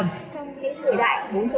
những cái tuyên truyền viên giúp cho